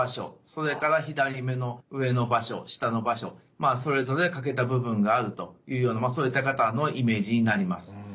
それから左目の上の場所下の場所それぞれ欠けた部分があるというようなそういったイメージになります。